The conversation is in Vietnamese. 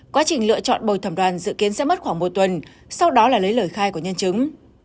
quá trình lựa chọn bầu thẩm đoàn dự kiến sẽ mất khoảng một tuần sau đó là lấy lời khai của nhân chứng